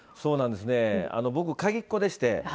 僕、鍵っ子でして。